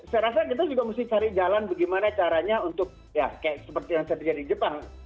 saya rasa kita juga mesti cari jalan bagaimana caranya untuk ya seperti yang terjadi di jepang